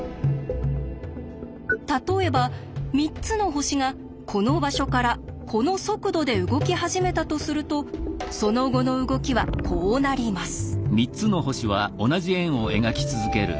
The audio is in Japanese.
例えば３つの星がこの場所からこの速度で動き始めたとするとその後の動きはこうなります。